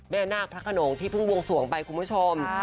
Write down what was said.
นาคพระขนงที่เพิ่งวงสวงไปคุณผู้ชม